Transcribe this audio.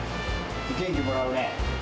元気もらうね。